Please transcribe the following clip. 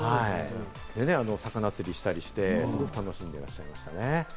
魚釣りなんかしたりして、すごく楽しんでいらっしゃいましたね。